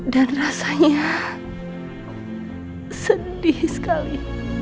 dan rasanya sedih sekali